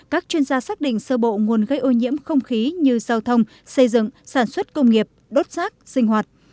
các chuyên gia xác định sơ bộ nguồn gây ô nhiễm không khí như giao thông xây dựng sản xuất công nghiệp đốt rác sinh hoạt